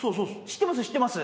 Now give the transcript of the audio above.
知ってます。